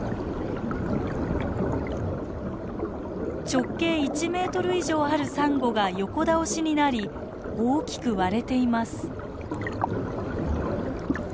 直径１ｍ以上あるサンゴが横倒しになり大きく割れています。